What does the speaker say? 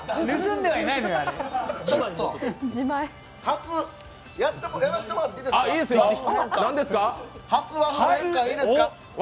では、初、やらしてもらっていいですか？